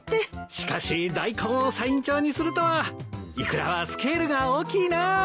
しかし大根をサイン帳にするとはイクラはスケールが大きいなあ。